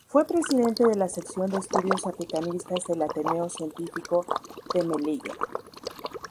Fue Presidente de la Sección de Estudios africanistas del Ateneo Científico de Melilla.